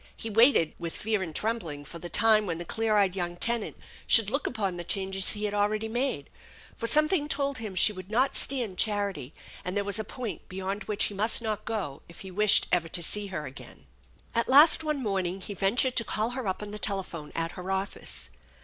He waited with fear and trembling for the time when the clear eyed young tenant should look upon the changes he had already made; for something told him she would not stand charity, and there was a point beyond which he must not go if h wished ever to see her again. THE ENCHANTED BARN 95 At last one morning he ventured to call her up on the telephone at her office.